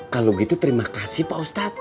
kalau gitu terima kasih pak ustadz